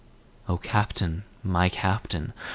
O Captain! my Captain!